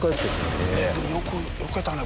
でもよくよけたね